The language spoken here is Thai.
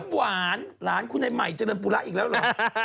หวานหลานคุณในใหม่เจริญปุระอีกแล้วเหรอ